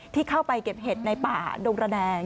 ที่เข้าไปเก็บเห็ดในป่าดงระแดง